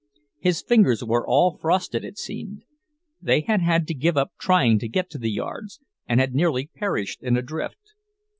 His fingers were all frosted, it seemed. They had had to give up trying to get to the yards, and had nearly perished in a drift.